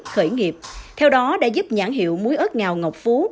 khởi nghiệp theo đó đã giúp nhãn hiệu muối ớt ngào ngọc phú